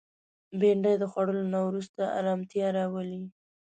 بېنډۍ د خوړلو نه وروسته ارامتیا راولي